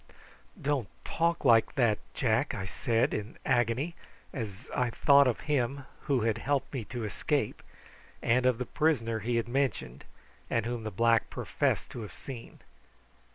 "Don't talk like that, Jack," I said in agony, as I thought of him who had helped me to escape, and of the prisoner he had mentioned, and whom the black professed to have seen.